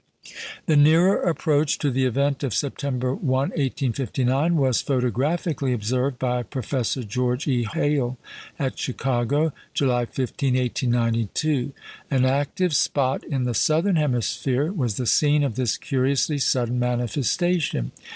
" The nearer approach to the event of September 1, 1859, was photographically observed by Professor George E. Hale at Chicago, July 15, 1892. An active spot in the southern hemisphere was the scene of this curiously sudden manifestation.